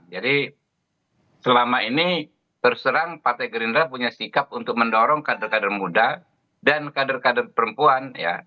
jadi selama ini terserang partai gerindra punya sikap untuk mendorong kader kader muda dan kader kader perempuan ya